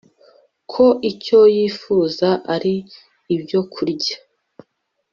ko icyo yifuza ari ibyokurya